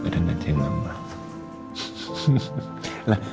ada nanti nambah